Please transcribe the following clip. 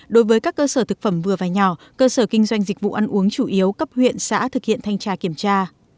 đối với các cơ sở thực phẩm vừa và nhỏ cơ sở kinh doanh dịch vụ ăn uống chủ yếu cấp huyện xã thực hiện thanh tra kiểm tra